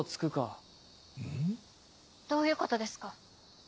どういうことですか？